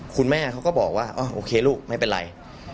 คุณแม่เขาก็บอกว่าโอเคลูกไม่เป็นไร